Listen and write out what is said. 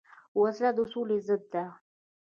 وسله د سولې ضد ده